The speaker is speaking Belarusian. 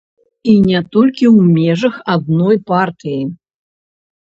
І не толькі ў межах адной партыі.